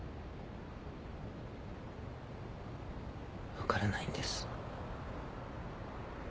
分からないんです。